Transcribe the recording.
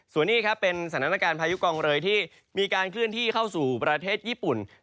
ส่วนนี้ครับเป็นสถานการณ์พายุกองเรยที่มีการเคลื่อนที่เข้าสู่ประเทศญี่ปุ่น